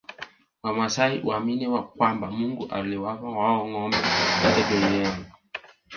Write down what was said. Wamasai huamini kwamba Mungu aliwapa wao ngombe wote duniani